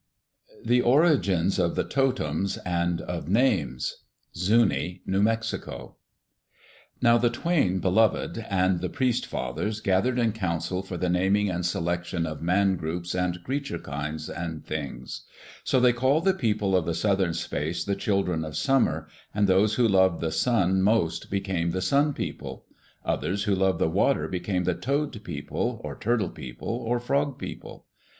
The Origins of the Totems and of Names Zuni (New Mexico) Now the Twain Beloved and the priest fathers gathered in council for the naming and selection of man groups and creature kinds, and things. So they called the people of the southern space the Children of Summer, and those who loved the sun most became the Sun people. Others who loved the water became the Toad people, or Turtle people, or Frog people.